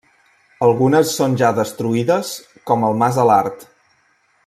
Algunes són ja destruïdes, com el Mas Alart.